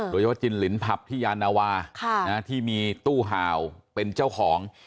โดยยว่าจิ่นหลินผับที่ยานาวาที่มีตู้หาวเป็นเจ้าของ